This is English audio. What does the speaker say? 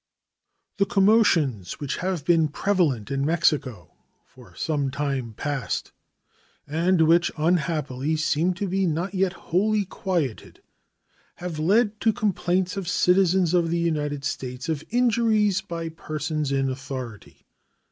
The commotions which have been prevalent in Mexico for some time past, and which, unhappily, seem to be not yet wholly quieted, have led to complaints of citizens of the United States of injuries by persons in authority.